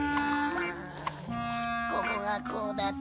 ここがこうだと。